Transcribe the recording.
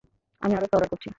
আমি আরও একটা অর্ডার করছি।